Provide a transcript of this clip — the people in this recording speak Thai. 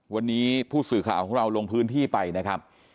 วันนี้ผู้สื่อข่าวของเราลงพื้นที่ไปนะครับ